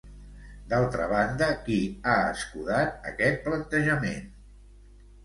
D'altra banda, qui ha escudat aquest plantejament?